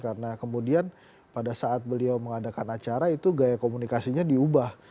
karena kemudian pada saat beliau mengadakan acara itu gaya komunikasinya diubah